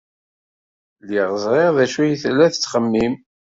Lliɣ ẓriɣ d acu ay tella tettxemmim.